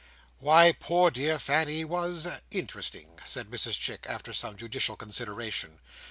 "Why, poor dear Fanny was interesting," said Mrs Chick, after some judicial consideration.